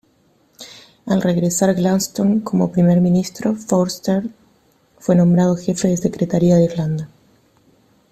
Al regresar Gladstone como primer ministro, Forster fue nombrado Jefe de Secretaría de Irlanda.